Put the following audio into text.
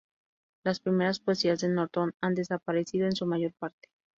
Las primeras poesías de Norton han desaparecido en su mayor parte.